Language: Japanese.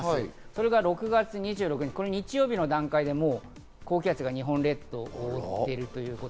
これが６月２６日、日曜日の段階で高気圧が日本列島を覆っている。